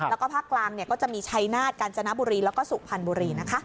แล้วก็ภาคกลางก็จะมีชัยนาฏกาญจนบุรีแล้วก็สุพรรณบุรีนะคะ